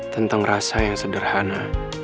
tentang rasa yang sederhana